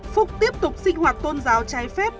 phúc tiếp tục sinh hoạt tôn giáo trái phép